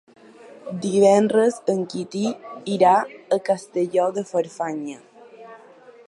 Divendres en Quintí irà a Castelló de Farfanya.